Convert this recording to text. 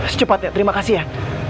secepatnya terima kasih ya